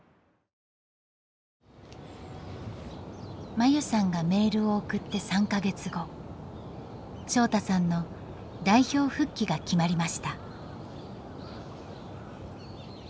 真優さんがメールを送って３か月後翔大さんの代表復帰が決まりました。